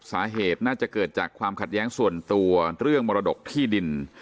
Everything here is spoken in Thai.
สาเหตุน่าจะเกิดจากความขัดแย้งส่วนตัวเรื่องมรดกที่ดิน